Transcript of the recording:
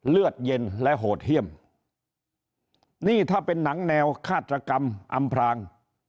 เลือดเย็นและโหดเยี่ยมนี่ถ้าเป็นหนังแนวฆาตกรรมอำพราง